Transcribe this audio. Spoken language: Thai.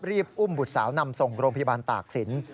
รีบอุ้มบุตรสาวนำส่งโรงพยาบาลตากศิลป